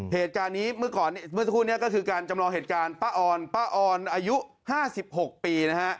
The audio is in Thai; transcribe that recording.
เหตุการณ์นี้เมื่อก่อนเมื่อสักครู่นี้ก็คือการจำลองเหตุการณ์ป้าออนป้าออนอายุ๕๖ปีนะฮะ